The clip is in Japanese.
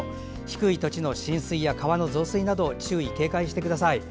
低い土地の浸水や川の増水などに注意、警戒してください。